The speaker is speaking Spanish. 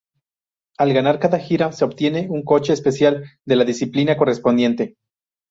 Al ganar cada gira, se obtiene un coche especial de la disciplina correspondiente.